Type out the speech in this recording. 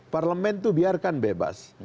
parlemen itu biarkan bebas